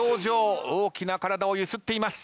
大きな体を揺すっています。